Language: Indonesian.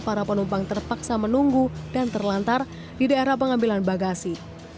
para penumpang terpaksa menunggu dan terlantar di daerah pengambilan bagasi